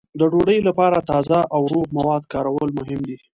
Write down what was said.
د ډوډۍ لپاره تازه او روغ مواد کارول مهم دي.